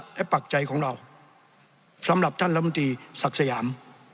และปรักใจของเราสำหรับท่านรัมศีรศรัพย์สักสยาม